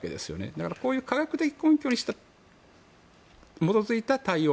だからこういう科学的根拠に基づいた対応